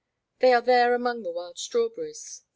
They are there among the wild strawberries.'